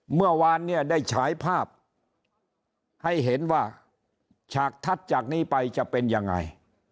เมื่อวานเนี่ยได้ฉายภาพให้เห็นว่าฉากทัดจากนี้ไปจะเป็นยังไง